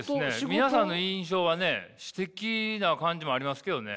皆さんの印象はね詩的な感じもありますけどね。